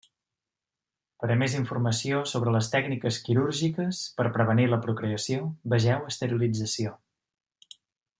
Per a més informació sobre les tècniques quirúrgiques per prevenir la procreació, vegeu esterilització.